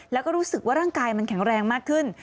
แล้วก็รู้สึกว่าร่างกายมันแข็งแรงมากขึ้น